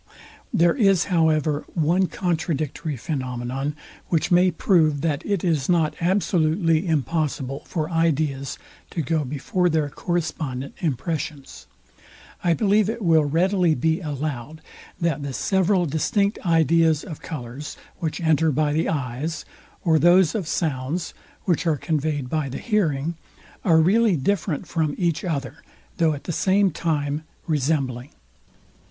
There is however one contradictory phænomenon, which may prove, that it is not absolutely impossible for ideas to go before their correspondent impressions. I believe it will readily be allowed that the several distinct ideas of colours, which enter by the eyes, or those of sounds, which are conveyed by the hearing, are really different from each other, though at the same time resembling.